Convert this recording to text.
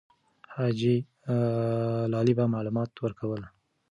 حاجي لالی به معلومات ورکول.